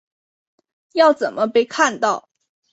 要怎么被看到